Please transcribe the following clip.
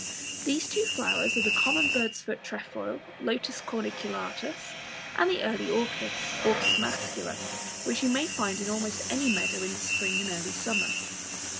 These two flowers are the common Bird's foot trefoil (Lotus corniculatus), and the Early Orchis (Orchis mascula), which you may find in almost any moist meadow in the spring and early summer.